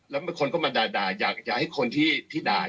แล้วคนก็มาด่าอยากจะให้คนที่ด่า